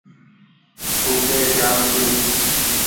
ڪوُڪي جآم ڇي ۔